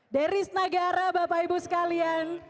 deris nagara bapak ibu sekalian